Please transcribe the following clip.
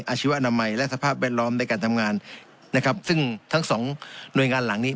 ชีวอนามัยและสภาพแวดล้อมในการทำงานนะครับซึ่งทั้งสองหน่วยงานหลังนี้